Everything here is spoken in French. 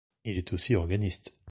Il est aussi organiste.